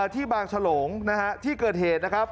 ที่บางฉลงนะฮะที่เกิดเหตุนะครับ